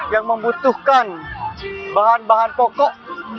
yang membutuhkan bahan bahan pokok